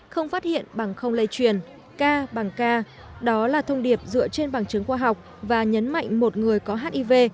không phát hiện bằng không lây truyền ca bằng ca đó là thông điệp dựa trên bằng chứng khoa học và nhấn mạnh một người có hiv